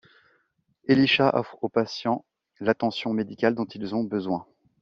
Elisha offre aux patients l'attention médicale dont ils ont besoin.